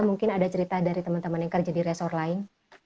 mungkin ada cerita dari temen temen yang kerja di resort lain